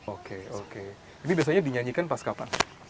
oke oke ini biasanya dinyanyikan pas kapan